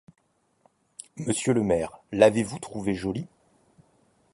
Monsieur le maire, l'avez-vous trouvée jolie?